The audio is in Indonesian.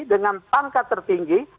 dengan tangkat tertinggi